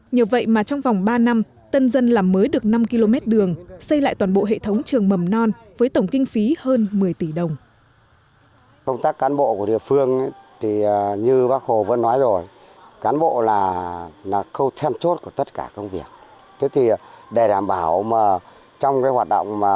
nhờ vậy mà trong vòng ba năm tân dân làm mới được năm km đường xây lại toàn bộ hệ thống trường mầm non với tổng kinh phí hơn một mươi tỷ đồng